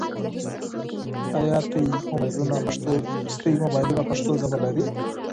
آیا ستاسو موبایلونه پښتو ژبه لري؟